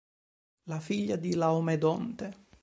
Figlia di Laomedonte.